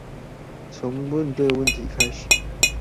從問對問題開始